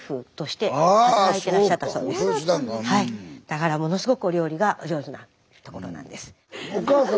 だからものすごくお料理がお上手なところなんです。